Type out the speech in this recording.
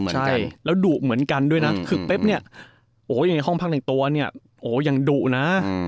ใช่แล้วดุเหมือนกันด้วยนะคือเป๊บเนี่ยโอ้โหยังไงห้องพักหนึ่งตัวเนี่ยโอ้ยังดุนะ